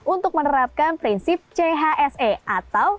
untuk menerapkan prinsip chse atau